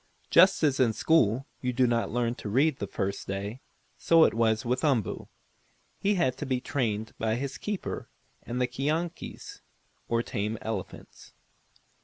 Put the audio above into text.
Just as in school you do not learn to read the first day, so it was with Umboo. He had to be trained by his keeper and the keonkies, or tame elephants.